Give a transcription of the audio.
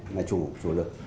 ngài chủ chủ lực